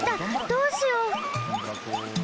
どうしよう！？